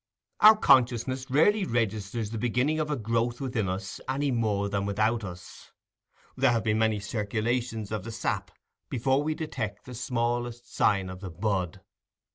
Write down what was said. Our consciousness rarely registers the beginning of a growth within us any more than without us: there have been many circulations of the sap before we detect the smallest sign of the bud.